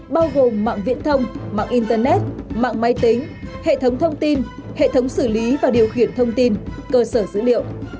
bao gồm mạng viễn thông mạng internet mạng máy tính hệ thống thông tin hệ thống xử lý và điều khiển thông tin cơ sở dữ liệu